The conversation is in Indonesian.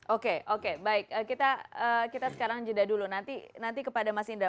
oke oke baik kita sekarang jeda dulu nanti kepada mas indra